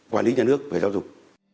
quản lý nhà nước về giáo dục